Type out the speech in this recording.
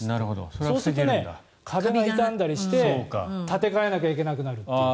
そうすると壁が傷んだりして建て替えなきゃいけなくなるという。